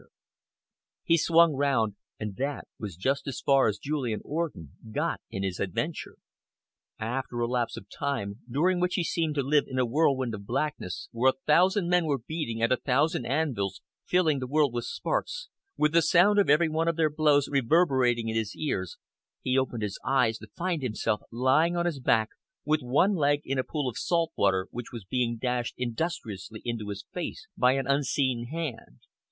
He swung round, and that was just as far as Julian Orden got in his adventure. After a lapse of time, during which he seemed to live in a whirl of blackness, where a thousand men were beating at a thousand anvils, filling the world with sparks, with the sound of every one of their blows reverberating in his ears, he opened his eyes to find himself lying on his back, with one leg in a pool of salt water, which was being dashed industriously into his face by an unseen hand.